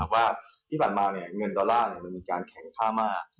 ว่าที่ผ่านมาเงินดอลลาร์มันมีการแข็งค่ามาก